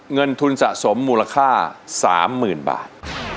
เงินทุนสะสมมูลค่าสามหมื่นบาท